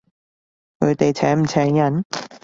佢哋請唔請人？